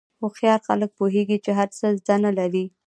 هوښیار خلک پوهېږي چې هر څه زده نه لري.